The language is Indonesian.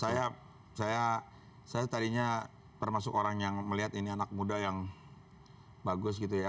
saya tadinya termasuk orang yang melihat ini anak muda yang bagus gitu ya